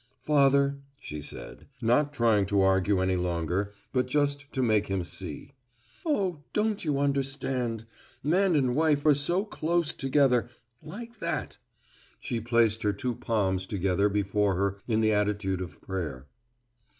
"Father," she said, not trying to argue any longer, but just to make him see, "Oh, don't you understand? Man and wife are so close together like that." She placed her two palms together before her in the attitude of prayer.